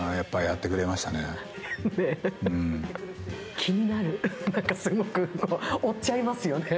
気になる、すごく、追っちゃいますよね。